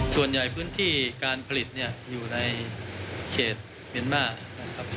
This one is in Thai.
ส่วนใหญ่พื้นที่การผลิตอยู่ในเขตเมียนม่า